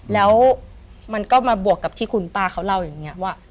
แล้วมันก็มาบวกกับที่คุณป้าเขาเล่าอย่างนี้ว่า